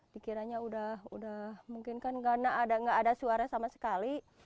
pikirannya udah mungkin kan karena nggak ada suaranya sama sekali